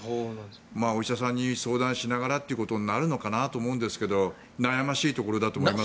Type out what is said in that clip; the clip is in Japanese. お医者さんに相談しながらということになるのかなと思うんですが悩ましいところだと思います。